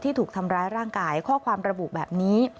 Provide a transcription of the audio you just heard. ถูกทำร้ายร่างกายข้อความระบุแบบนี้